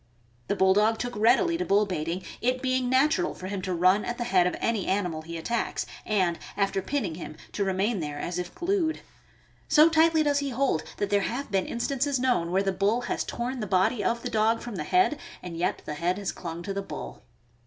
The Bulldog took readily to bull baiting, it being natural for him to run at the head of any animal he attacks, and after pinning him, to remain there as if glued. So tightly does he hold that there have been instances known where the bull has torn the body of the dog from the head and yet the head has clung to the bull.